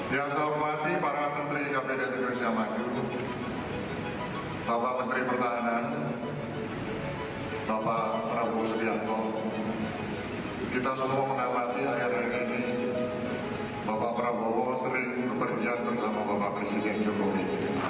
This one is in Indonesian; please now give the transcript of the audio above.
yang saya puasih para menteri kpd teguh siamagi bapak menteri pertahanan bapak prabowo subianto kita semua mengalami akhir akhir ini bapak prabowo sering keberjian bersama bapak presiden jokowi